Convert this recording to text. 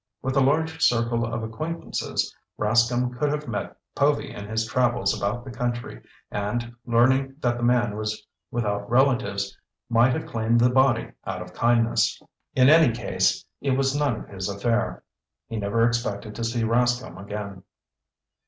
With a large circle of acquaintances, Rascomb could have met Povy in his travels about the country and, learning that the man was without relatives, might have claimed the body out of kindness. In any case, it was none of his affair. He never expected to see Rascomb again.